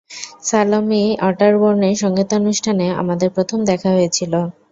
স্যালোমি অট্যারবোর্নের সংগীতানুষ্ঠানে আমাদের প্রথম দেখা হয়েছিল!